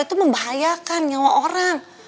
itu membahayakan nyawa orang